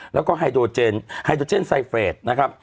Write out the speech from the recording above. แล้วก็ไฮโดเจนไฮโดเจนไซเฟรดนะครับ